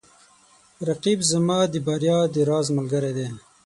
رقیب زما د بریا د راز ملګری دی